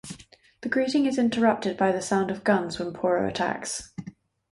The greeting is interrupted by the sound of guns when Poro attacks.